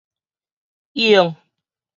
湧